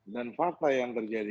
dan fakta yang terjadi